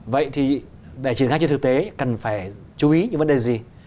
vậy thì để triển khai trên thực tế cần phải chú ý những vấn đề gì